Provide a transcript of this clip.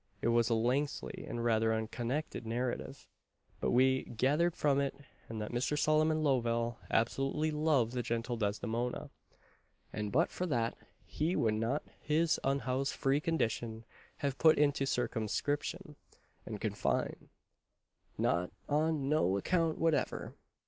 It was a lengthy, and rather unconnected narrative, but we gathered from it that Mr. Solomon Lovell absolutely loved the gentle Desdemona; and but for that, "he would not his unhoused free condition have put into circumscription and confine," "not on no account whatever."